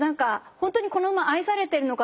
本当にこの馬愛されているのかな